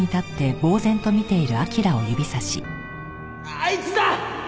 あいつだ！